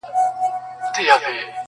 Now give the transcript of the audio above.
چي چي زړه وي تر هغو درپسې ژاړم